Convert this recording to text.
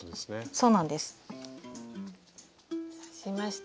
そうなんです。